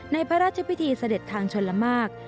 พระราชพิธีเสด็จทางชนละมาก